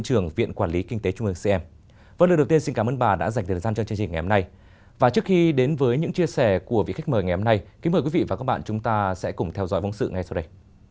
trước khi đến với những chia sẻ của vị khách mời ngày hôm nay kính mời quý vị và các bạn chúng ta sẽ cùng theo dõi vòng sự ngay sau đây